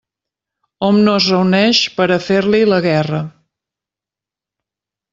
Hom no es reuneix per a fer-li la guerra.